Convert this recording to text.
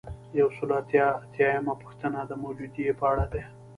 یو سل او اته اتیایمه پوښتنه د موجودیې په اړه ده.